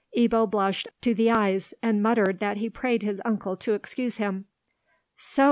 Ebbo blushed up to the eyes, and muttered that he prayed his uncle to excuse him. "So!"